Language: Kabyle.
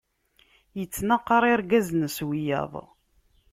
Ittnaqaṛ irgazen s wiyaḍ.